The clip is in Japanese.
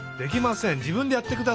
じぶんでやってください。